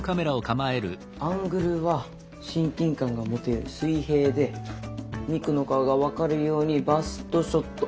アングルは親近感が持てる水平でミクの顔が分かるようにバストショット。